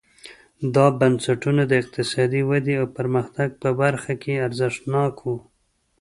دا بنسټونه د اقتصادي ودې او پرمختګ په برخه کې ارزښتناک وو.